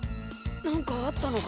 何かあったのかな？